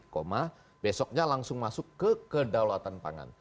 pak nanti habis dilantik besoknya langsung masuk ke dalawatan pangan